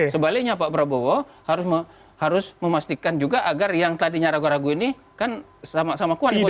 sebaliknya pak prabowo harus memastikan juga agar yang tadinya ragu ragu ini kan sama sama kuatnya